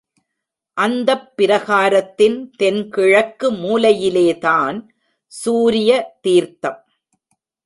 அந்தப் பிரகாரத்தின் தென் கிழக்கு மூலையிலேதான் சூரிய தீர்த்தம்.